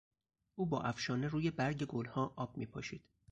او با افشانه روی برگ گلها آب میپاشید.